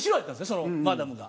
そのマダムが。